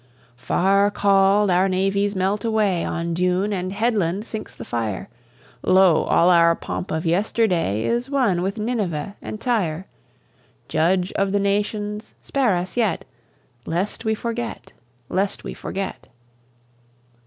Far called our navies melt away On dune and headland sinks the fire Lo, all our pomp of yesterday Is one with Nineveh and Tyre! Judge of the Nations, spare us yet, Lest we forget lest we forget!